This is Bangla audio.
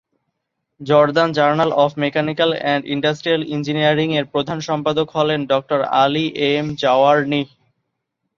Jordan journal of mechanical and industrial engineering এর প্রধান সম্পাদক হলেন ডঃ আলি এম জাওয়ারনিহ।